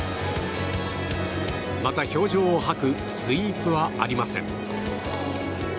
また氷上をはくスイープはありません。